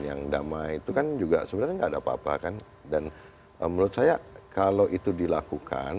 yang damai itu kan juga sebenarnya enggak ada apa apa kan dan menurut saya kalau itu dilakukan